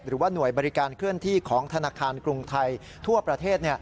หรือว่าหน่วยบริการเคลื่อนที่ของธนาคารกรุงไทยทั่วประเทศ